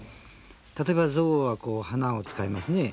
例えば、象は鼻を使いますね。